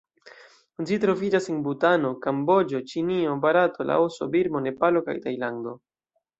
Ĝi troviĝas en Butano, Kamboĝo, Ĉinio, Barato, Laoso, Birmo, Nepalo, kaj Tajlando.